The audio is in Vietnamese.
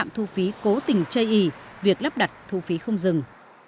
thu phí cố tình chây ý việc lắp đặt thu phí không dừng